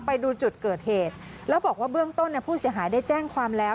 ไปดูจุดเกิดเหตุแล้วบอกว่าเบื้องต้นเนี่ยผู้เสียหายได้แจ้งความแล้ว